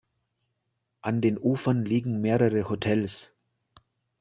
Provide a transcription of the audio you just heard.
An den Ufern liegen mehrere Hotels.